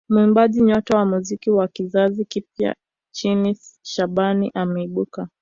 Muimbaji nyota wa muziki wa kizazi kipya nchini Seif Shabani ameibuka